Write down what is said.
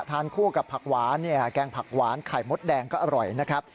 ทานคู่กับผักหวานเนี่ยแกงผักหวานไข่มดแดงก็อร่อยนะครับ